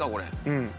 うん。